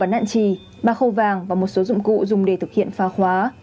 ba nạn trì ba khâu vàng và một số dụng cụ dùng để thực hiện pha khóa